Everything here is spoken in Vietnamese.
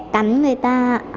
con sẽ cắn người ta